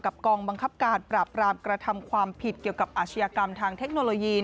กองบังคับการปราบรามกระทำความผิดเกี่ยวกับอาชญากรรมทางเทคโนโลยี